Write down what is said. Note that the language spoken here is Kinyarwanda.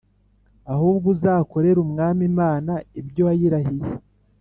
ahubwo uzakorere Umwami Imana ibyo wayirahiye